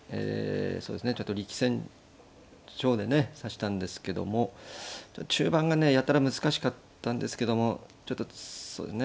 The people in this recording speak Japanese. ちょっと力戦調でね指したんですけども中盤がねやたら難しかったんですけどもちょっとそうですね